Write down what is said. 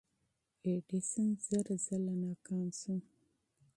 ایډیسن زر ځله ناکام شو.